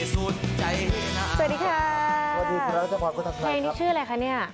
สวัสดีครับเฮ้นชื่ออะไรคะนี่